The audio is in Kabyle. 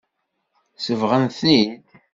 Sebɣen-ten-id.